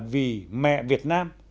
vì mẹ việt nam